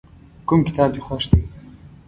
کوم کتاب دې خوښ دی.